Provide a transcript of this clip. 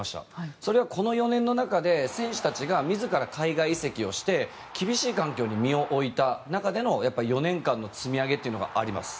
それはこの４年の中で選手たちが自ら海外移籍をして厳しい環境に身を置いた中での４年間の積み上げというのがあります。